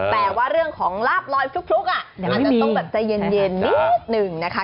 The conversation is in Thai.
แต่ว่าเรื่องของลาบลอยฟลุกอาจจะต้องแบบใจเย็นนิดหนึ่งนะคะ